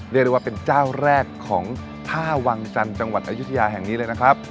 เรียกได้ว่าเป็นเจ้าแรกของท่าวังจันทร์จังหวัดอายุทยาแห่งนี้เลยนะครับ